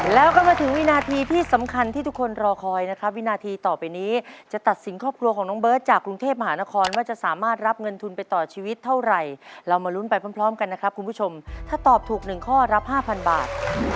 แล้วก็มาถึงวินาทีที่สำคัญที่ทุกคนรอคอยนะครับวินาทีต่อไปนี้จะตัดสินครอบครัวของน้องเบิร์ตจากกรุงเทพมหานครว่าจะสามารถรับเงินทุนไปต่อชีวิตเท่าไหร่เรามาลุ้นไปพร้อมกันนะครับคุณผู้ชมถ้าตอบถูก๑ข้อรับ๕๐๐บาท